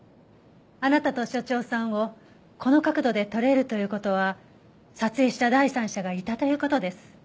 あなたと所長さんをこの角度で撮れるという事は撮影した第三者がいたという事です。